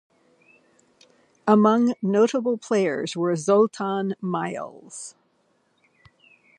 Among notable players were Zoltan Miles.